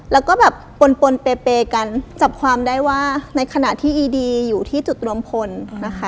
แล้วก็แบบปนปนเปกันจับความได้ว่าในขณะที่อีดีอยู่ที่จุดรวมพลนะคะ